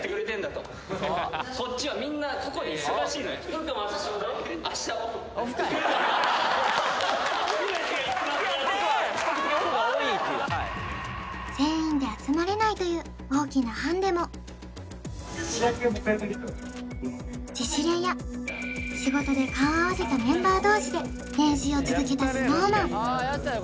僕明日こっちは全員で集まれないという大きなハンデも自主練や仕事で顔を合わせたメンバー同士で練習を続けたＳｎｏｗＭａｎ